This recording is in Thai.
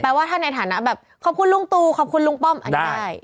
ว่าถ้าในฐานะแบบขอบคุณลุงตูขอบคุณลุงป้อมอันนี้ได้